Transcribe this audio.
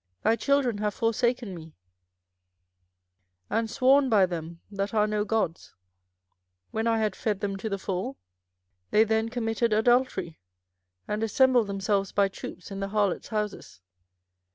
thy children have forsaken me, and sworn by them that are no gods: when I had fed them to the full, they then committed adultery, and assembled themselves by troops in the harlots' houses.